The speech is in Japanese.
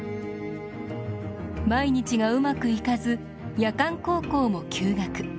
毎日がうまくいかず夜間高校も休学。